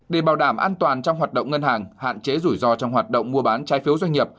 để bảo đảm an toàn trong hoạt động ngân hàng hạn chế rủi ro trong hoạt động mua bán trái phiếu doanh nghiệp